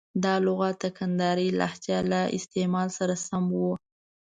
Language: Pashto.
دا لغت د کندهارۍ لهجې له استعمال سره سم و.